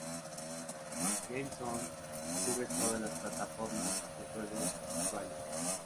GameZone cubre todas las plataformas de juego actuales.